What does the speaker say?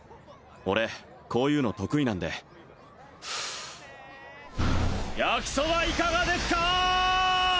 俺こういうの得意なんで焼きそばいかがですか！